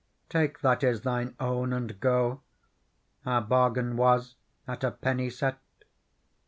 Take that is thine own and go : Our bargain was at a penny set.